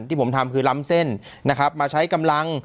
ที่ผมทำคือล้ำเส้นนะครับมาใช้กำลัง